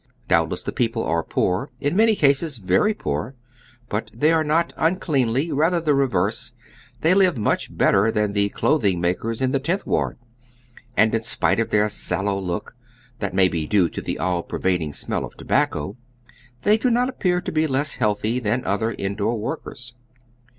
Doubtless the people ai'C poor, in many cases very poor ; but they are not uncleanly, ratlier the reverse ; they live much better than the clothing makers in tiie Tenth Ward, and in spite of their sallow look, that may be doe to the all pervading smell of tobacco, they do not appear to be less healthy than other in door workers.